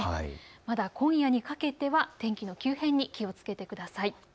まだ今夜にかけては天気の急変に気をつけてください。